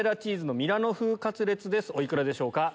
お幾らでしょうか？